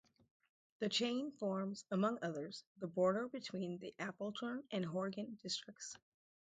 The chain forms, among others, the border between the Affoltern and Horgen districts.